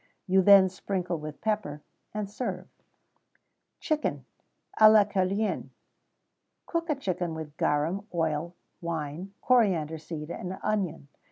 You then sprinkle with pepper, and serve.[XVII 35] Chicken à la Cœlienne. Cook a chicken with garum, oil, wine, coriander seed, and onion.